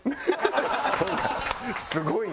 すごいな。